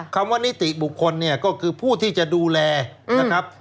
คำว่านิติบุคคลเนี่ยก็คือผู้ที่จะดูแลนะครับ